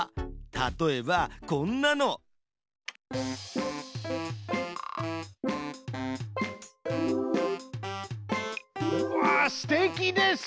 例えばこんなの。わすてきです！